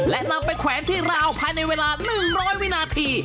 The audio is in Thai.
และนำไปแขวนที่ราวภายในเวลา๑๐๐วินาที